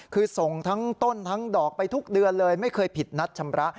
คือส่งทั้งต้นทั้งดอกไปทุกเดือนเลยไม่เคยผิดนัดชำระ